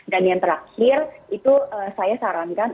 dan yang terakhir itu saya sarankan